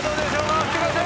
押してください。